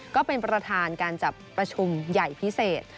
ก็เป็นประธานการจับประชุมใหญ่พิเศษ